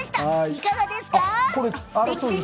いかがですか。